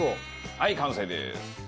はい完成です。